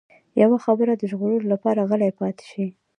يوه خبره د ژغورلو لپاره غلی پاتې شي.